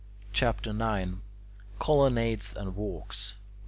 CHAPTER IX COLONNADES AND WALKS 1.